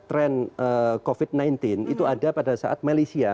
trend covid sembilan belas itu ada pada saat malaysia